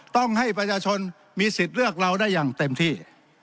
ต้องให้ประชาชนมีสิทธิ์เลือกเราได้อย่างเต็มที่